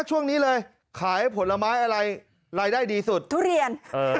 ช่วงนี้เลยขายผลไม้อะไรรายได้ดีสุดทุเรียน